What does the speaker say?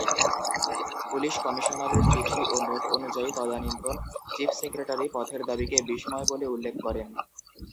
Police কমিশনারের চিঠি ও নোট অনুযায়ী তদানিন্তন চিফ সেক্রেটারি পথের দাবীকে 'বিষময়' বলে উল্লেখ করেন।